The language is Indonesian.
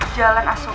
jalan asoka tiga